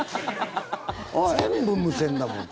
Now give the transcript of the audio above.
全部、無線だもん。